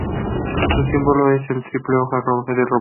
Su símbolo es la triple hoja de roble.